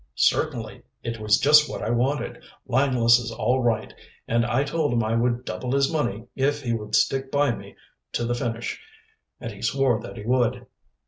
"Certainly it was just what I wanted. Langless is all right, and I told him I would double his money if he would stick by me to the finish, and he swore that he would."